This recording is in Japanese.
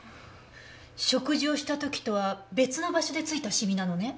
食事をした時とは別の場所で付いたシミなのね。